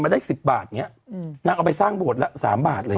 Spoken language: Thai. มาได้สิบบาทเนี้ยอืมนางเอาไปสร้างโบสถ์ละสามบาทเลย